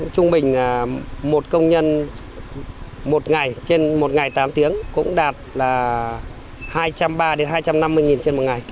trung bình một công nhân một ngày trên một ngày tám tiếng cũng đạt là hai trăm ba mươi hai trăm năm mươi nghìn trên một ngày